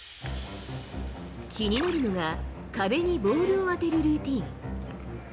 気になるのが壁にボールを当てるルーティン。